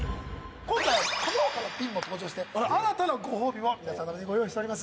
今回この他のピンも登場して新たなご褒美を皆様にご用意しております。